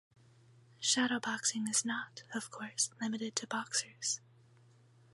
Shadowboxing is not, of course, limited to boxers.